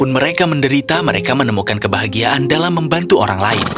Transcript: mereka tidak bisa mencari kebahagiaan dengan membantu orang lain